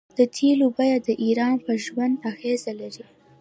د تیلو بیه د ایران په ژوند اغیز لري.